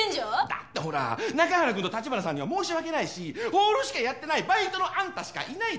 だってほら中原くんと城華さんには申し訳ないしホールしかやってないバイトのあんたしかいないでしょ？